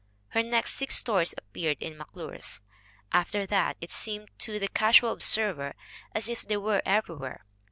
Her next six stories appeared in McC lure's. After that it seemed to the casual observer as if they were everywhere.